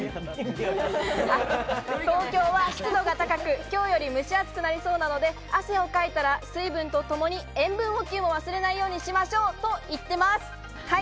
東京は湿度が高く、今日より蒸し暑くなりそうなので、汗をかいたら水分とともに塩分補給も忘れないようにしましょうと言っています。